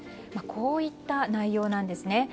こういった内容なんですね。